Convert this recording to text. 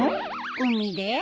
海で？